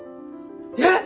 えっ！？